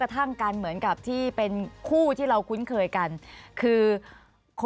ร้อยตำรวจเอกร้อยตำรวจเอกร้อยตำรวจเอก